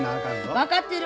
分かってる。